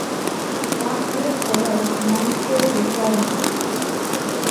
Part A provides mandatory requirements.